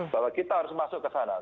bahwa kita harus masuk kesana